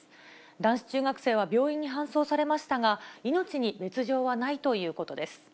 男子中学生は病院に搬送されましたが、命に別状はないということです。